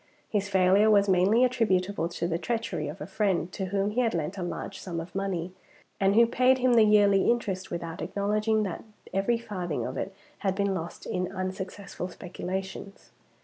His failure was mainly attributable to the treachery of a friend to whom he had lent a large sum of money, and who paid him the yearly interest, without acknowledging that every farthing of it had been lost in unsuccessful speculations.